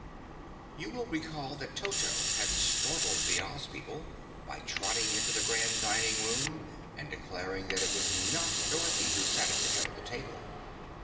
You will recall that Toto had startled the Oz people by trotting into the Grand Dining Room and declaring that it was not Dorothy who sat at the head of the table.